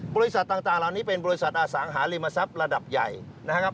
บริษัทต่างเหล่านี้เป็นบริษัทอสังหาริมทรัพย์ระดับใหญ่นะครับ